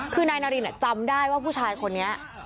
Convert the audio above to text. คือนายนารินจำได้ว่าผู้ชายคนนี้